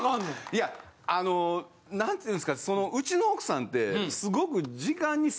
いやあの何て言うんですかそのうちの奥さんってすごく。